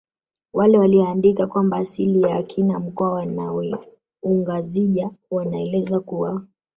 Wale waliyoandika kwamba asili ya akina mkwawa ni ungazija wanaeleza kuwa